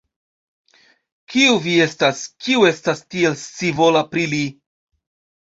Kiu vi estas, kiu estas tiel scivola pri li?